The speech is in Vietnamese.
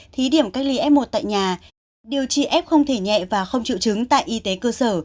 thí điểm cách ly f một tại nhà điều trị f không thể nhẹ và không chịu chứng tại y tế cơ sở